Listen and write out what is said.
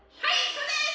そうです！